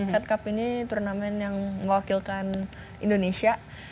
head cup ini turnamen yang mewakilkan indonesia